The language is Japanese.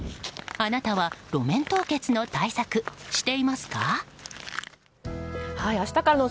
あなたは路面凍結の対策していますか？